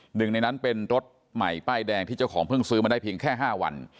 หนึ่งในนั้นเป็นรถใหม่ป้ายแดงที่เจ้าของเพิ่งซื้อมาได้เพียงแค่๕วัน